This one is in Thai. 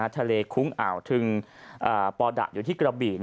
ทะเลคู้งอ่าวทึงปอดัปตั้งอยู่ที่กระบิ